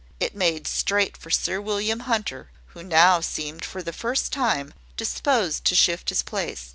It made straight for Sir William Hunter, who now seemed for the first time disposed to shift his place.